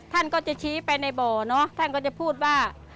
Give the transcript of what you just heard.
ท่านก็จะชี้ไปในบ่อเนอะท่านก็จะพูดว่า